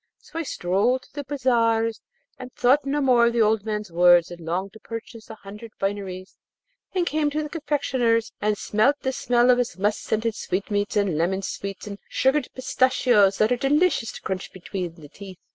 So I strolled through the bazaars and thought no more of the old man's words, and longed to purchase a hundred fineries, and came to the confectioner's, and smelt the smell of his musk scented sweetmeats and lemon sweets and sugared pistachios that are delicious to crunch between the teeth.